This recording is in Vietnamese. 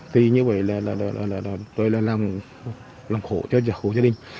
thì như vậy là tôi là làm khổ cho hộ gia đình